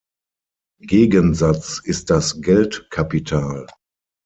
Gegensatz ist das Geldkapital.